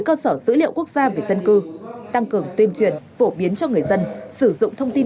cơ sở dữ liệu quốc gia về dân cư tăng cường tuyên truyền phổ biến cho người dân sử dụng thông tin